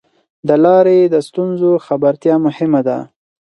د لارې د ستونزو خبرتیا مهمه ده.